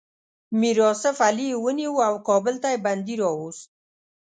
میر آصف علي یې ونیو او کابل ته یې بندي راووست.